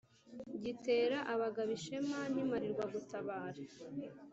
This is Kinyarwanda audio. Gitera abagabo ishema n’imparirwagutabara